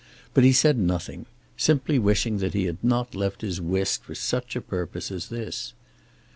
But he said nothing, simply wishing that he had not left his whist for such a purpose as this.